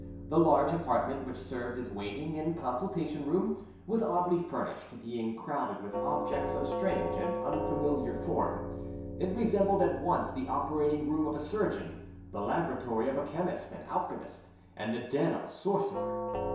The large apartment, which served as waiting and consultation room, was oddly furnished, being crowded with objects of strange and unfamiliar form. It resembled at once the operating room of a surgeon, the laboratory of a chemist and alchemist, and the den of a sorcerer.